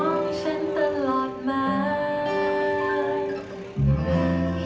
ได้แค่เธอที่มีใจ